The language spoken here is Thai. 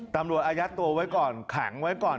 ตำรวจอัตยัดตัวไว้ก่อนเข้าไว้ก่อน